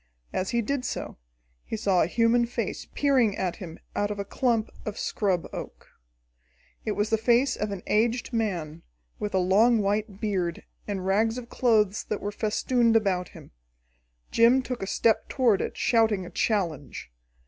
As he did so, he saw a human face peering at him out of a clump of scrub oak. It was the face of an aged man, with a long white beard and rags of clothes that were festooned about him. Jim took a step toward it, shouting a challenge.